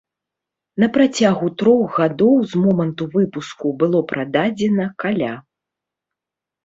На працягу трох гадоў з моманту выпуску было прададзена каля.